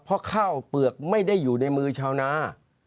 เพราะข้าวเปลือกไม่ได้อยู่ในมือชาวนา